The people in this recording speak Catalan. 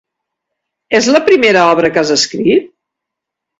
És la primera obra que has escrit?